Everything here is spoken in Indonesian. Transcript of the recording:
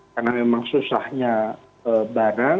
karena memang susahnya barang